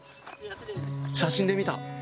写真で見た。